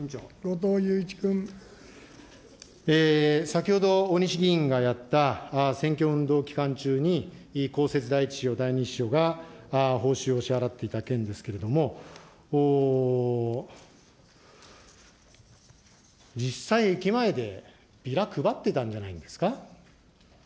先ほど、大西議員がやった、選挙運動期間中に公設第１秘書、第２秘書が報酬を支払っていた件ですけれども、実際、駅前でビラ配ってたんじゃないですか。